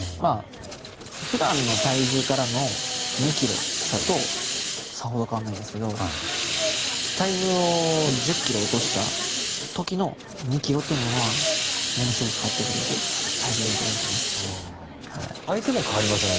普段の体重からの２ｋｇだとさほど変わらないんですけど体重を１０ｋｇ落とした時の２ｋｇというものはものすごく変わってくる体重ですよね。